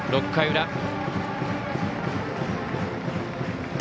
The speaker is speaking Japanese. ６回裏。